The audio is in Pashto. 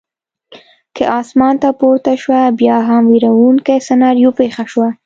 کې اسمان ته پورته شوه، بیا هم وېروونکې سناریو پېښه شوه.